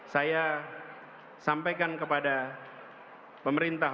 saya sampaikan kepada pemerintah